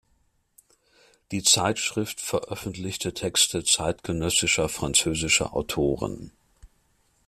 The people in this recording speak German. Die Zeitschrift veröffentlichte Texte zeitgenössischer französischer Autoren.